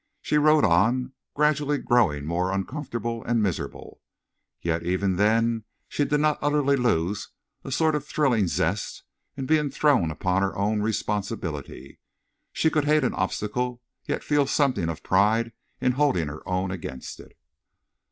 She rode on, gradually growing more uncomfortable and miserable. Yet even then she did not utterly lose a sort of thrilling zest in being thrown upon her own responsibility. She could hate an obstacle, yet feel something of pride in holding her own against it.